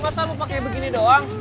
masa lu pake begini doang